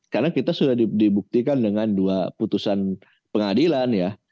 karena kita sudah dibuktikan dengan dua putusan pengadilan ya